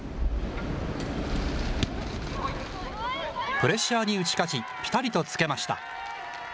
プレッシャーに打ち勝ち、ぴたりとつけました。